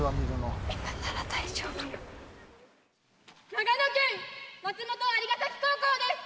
長野県松本蟻ヶ崎高校です！